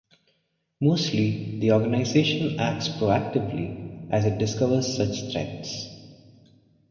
Mostly, the organization acts proactively as it discovers such threats.